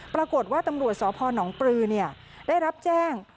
ปรากฏว่าตำรวจสพนปลือได้รับแจ้ง